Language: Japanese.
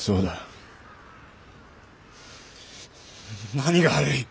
何が悪い！？